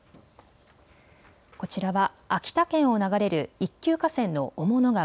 こちらは秋田県を流れる一級河川の雄物川。